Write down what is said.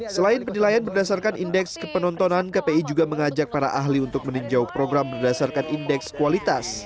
selain penilaian berdasarkan indeks kepenontonan kpi juga mengajak para ahli untuk meninjau program berdasarkan indeks kualitas